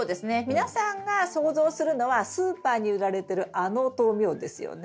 皆さんが想像するのはスーパーに売られてるあの豆苗ですよね。